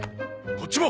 こっちも！